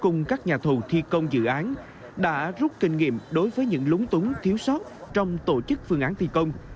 nhà thầu thi công dự án đã rút kinh nghiệm đối với những lúng túng thiếu sót trong tổ chức phương án thi công